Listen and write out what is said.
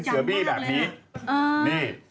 เสือบี้แบบนี้นี่